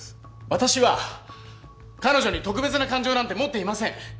私は彼女に特別な感情なんて持っていません。